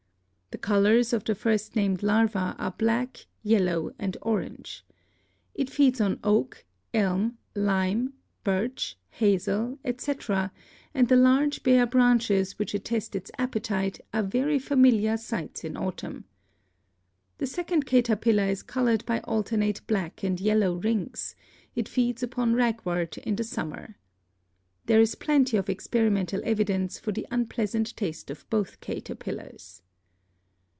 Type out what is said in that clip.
The colors of the first named larva are black, yellow and orange. It feeds on oak, elm, lime, birch, hazel, etc., and the large bare branches which attest its appetite are very familiar sights in autumn. The second caterpillar is colored by alternate black and yellow rings; it feeds upon ragwort in the summer. There is plenty of experi mental evidence for the unpleasant taste of both cater pillars.